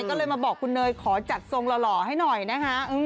ก็เลยมาบอกคุณเนยขอจัดทรงหล่อให้หน่อยนะคะ